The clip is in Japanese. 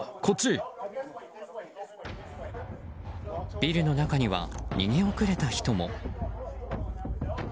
ビルの中には、逃げ遅れた人も。